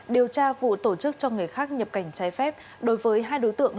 điều tra vụ tổ chức cho người khác nhập cảnh trái phép đối với hai đối tượng